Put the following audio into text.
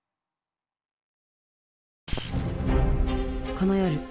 この夜魔